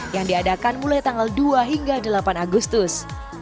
yang diadakan mulai tanggal dua hingga delapan agustus